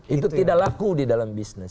itu tidak laku di dalam bisnis